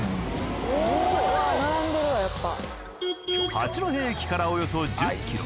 八戸駅からおよそ１０キロ。